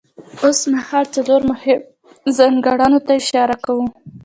اوسمهال څلورو مهمو ځانګړنو ته اشاره کوم.